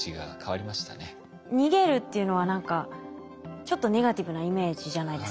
逃げるっていうのは何かちょっとネガティブなイメージじゃないですか。